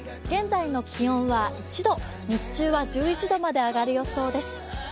現在の気温は１度、日中は１１度まで上がる予想です。